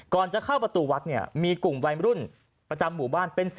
จะเข้าประตูวัดเนี่ยมีกลุ่มวัยรุ่นประจำหมู่บ้านเป็น๑๐